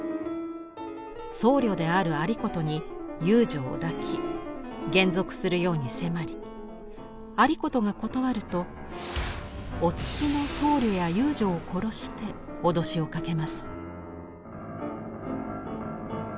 僧侶である有功に遊女を抱き還俗するように迫り有功が断るとお付きの僧侶や遊女を殺して脅しをかけます。